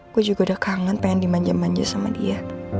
gue juga udah kangen pengen dimanjam manjam sama dia